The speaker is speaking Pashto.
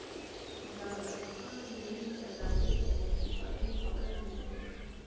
زار علي خان د مینې، ازادۍ او وطن پالنې په اړه لیکنې وکړې.